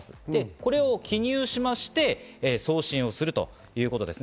これを記入して送信するということです。